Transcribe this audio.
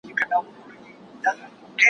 زه اوږده وخت د سبا لپاره د ليکلو تمرين کوم!.